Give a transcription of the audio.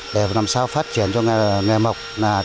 để làm sao phát triển cho nghề mộc